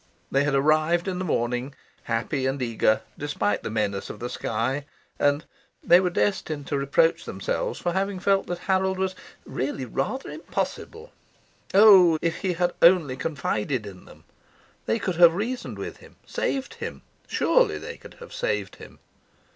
They had arrived in the morning, happy and eager despite the menace of the sky, and well, they were destined to reproach themselves for having felt that Harold was "really rather impossible." Oh, if he had only confided in them! They could have reasoned with him, saved him surely they could have saved him!